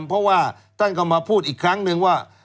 เพราะว่าท่านก็มาพูดอีกครั้งนึงว่า